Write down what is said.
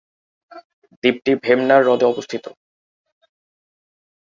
দ্বীপটি ভেম্বনাড় হ্রদে অবস্থিত।